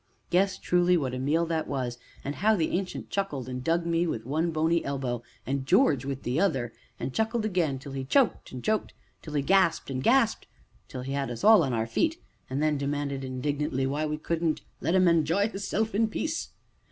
Yes, truly, what a meal that was, and how the Ancient chuckled, and dug me with one bony elbow and George with the other, and chuckled again till he choked, and choked till he gasped, and gasped till he had us all upon our feet, then demanded indignantly why we couldn't let him "enj'y hisself in peace."